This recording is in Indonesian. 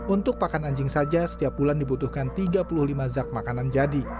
untuk pakan anjing saja setiap bulan dibutuhkan tiga puluh lima zak makanan jadi